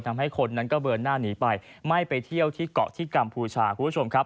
ทำให้คนนั้นก็เบิร์นหน้านีไปไม่ไปเที่ยวที่เกาะที่กัมพูชา